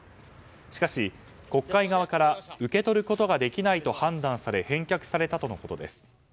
しかし、国会側から受け取ることができないと判断され返却されたとのことです。